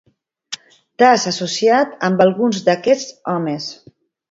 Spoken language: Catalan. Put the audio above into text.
T'has associat amb alguns d'aquests homes.